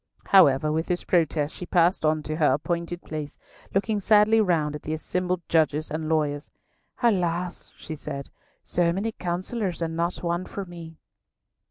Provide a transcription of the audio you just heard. However, with this protest she passed on to her appointed place, looking sadly round at the assembled judges and lawyers. "Alas!" she said, "so many counsellors, and not one for me."